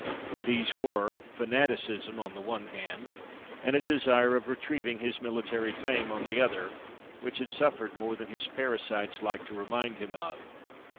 These were, fanaticism on the one hand, and a desire of retrieving his military fame on the other, which had suffered more than his parasites liked to remind him of.